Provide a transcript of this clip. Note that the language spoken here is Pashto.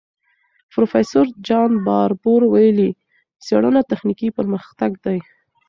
پروفیسور جان باربور ویلي، څېړنه تخنیکي پرمختګ دی.